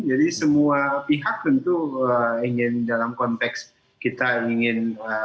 jadi semua pihak tentu ingin dalam konteks kita ingin